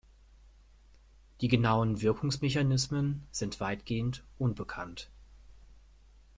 Die genauen Wirkungsmechanismen sind weitgehend unbekannt.